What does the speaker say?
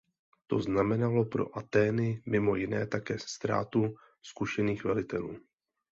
To znamenalo pro Atény mimo jiné také ztrátu zkušených velitelů.